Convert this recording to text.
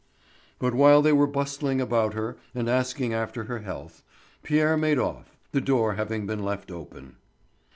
But while they were bustling about her and asking after her health, Pierre made off, the door having been left open.